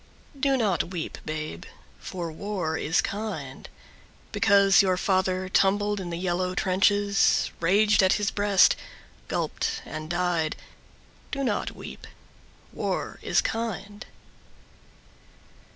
Do not weep, babe, for war is kind. Because your father tumbled in the yellow trenches, Raged at his breast, gulped and died, Do not weep. War is kind.